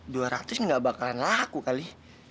dua ratus nggak bakalan laku kali